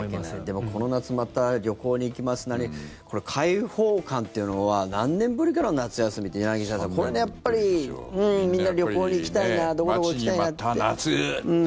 でもこの夏、また旅行に行きます解放感というのは何年ぶりかの夏休みで柳澤さん、これやっぱりみんな旅行に行きたいなどこどこ行きたいなって。